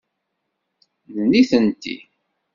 D nitenti.